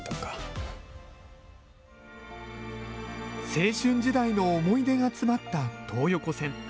青春時代の思い出が詰まった東横線。